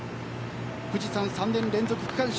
富士山３年連続、区間賞。